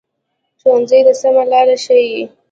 ښوونځی د سمه لار ښيي